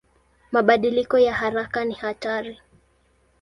Mabadiliko ya haraka ni hatari.